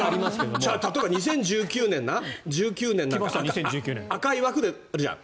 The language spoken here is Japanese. じゃあ例えば２０１９年赤い枠であるじゃん。